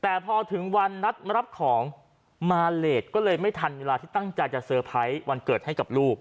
แต่พอถึงวันนัดรับของมาเลสก็เลยไม่ทันเวลาที่ตั้งใจจะเตอร์ไพรส์วันเกิดให้กับลูก